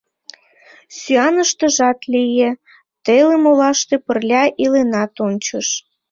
Сӱаныштыжат лие, телым олаште пырля иленат ончыш.